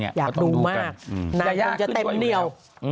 อยากดูมากนางต้องจะเต็มอยู่เดียว